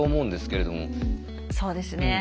そうですね。